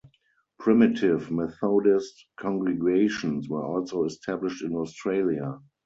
Primitive Methodist congregations were also established in Australia.